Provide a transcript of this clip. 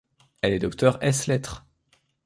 Elle est docteur ès lettres.